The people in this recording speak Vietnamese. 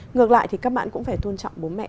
ngược lại thì các bạn cũng phải tôn trọng bố mẹ